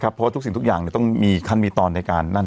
เพราะว่าทุกสิ่งทุกอย่างต้องมีขั้นมีตอนในการนั่ง